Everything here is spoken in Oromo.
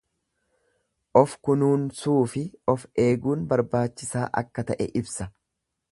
Of kunuunsuu fi of eeguun barbaachisaa akka ta'e ibsa.